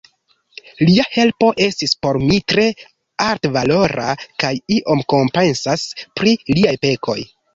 Lia helpo estis por mi tre altvalora, kaj iom kompensas pri liaj pekoj.